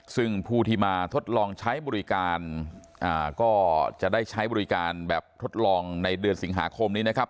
ซึ่งผู้ที่มาทดลองใช้บริการก็จะได้ใช้บริการแบบทดลองในเดือนสิงหาคมนี้นะครับ